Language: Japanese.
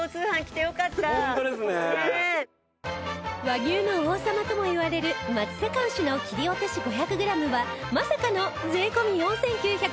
和牛の王様ともいわれる松阪牛の切り落とし５００グラムはまさかの税込４９８０円